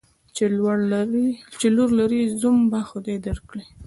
چی لور لرې ، زوم به خدای در کړي.